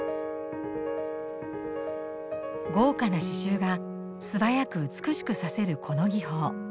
豪華な刺しゅうが素早く美しく刺せるこの技法。